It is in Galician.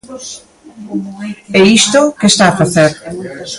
E isto ¿que está a facer?